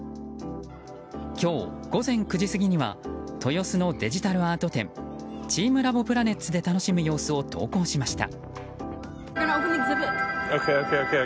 今日午前９時過ぎには豊洲のデジタルアート展チームラボプラネッツで楽しむ様子を投稿しました。